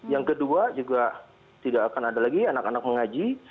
yang kedua juga tidak akan ada lagi anak anak mengaji